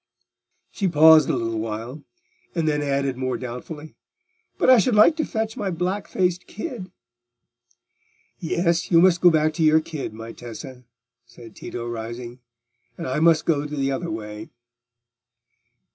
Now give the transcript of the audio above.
She paused a little while, and then added more doubtfully, "But I should like to fetch my black faced kid." "Yes, you must go back to your kid, my Tessa," said Tito, rising, "and I must go the other way."